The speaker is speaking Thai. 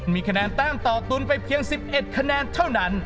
มีคะแนนแต้มต่อตุนไปเพียง๑๑คะแนนเท่านั้น